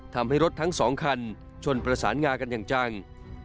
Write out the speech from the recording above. ทำให้รถทั้ง๒คันชนประสานงากันอย่างจัง